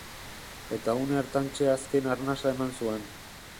Eta une hartantxe azken arnasa eman zuen.